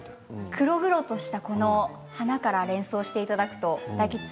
黒々とした外見から連想していただくと。